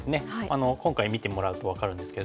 今回見てもらうと分かるんですけれども。